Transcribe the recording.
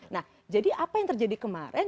nah jadi apa yang terjadi kemarin